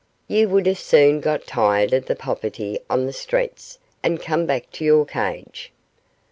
You would have soon got tired of the poverty of the streets, and come back to your cage.